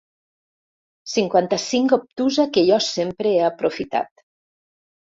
Cinquanta-cinc obtusa que jo sempre he aprofitat.